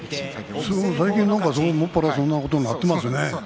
最近、専らそんなことになっていますね。